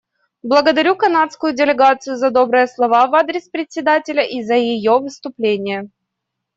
Благодарю канадскую делегацию за добрые слова в адрес Председателя и за ее выступление.